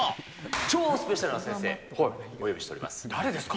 超スペシャルな先生、お呼び誰ですか。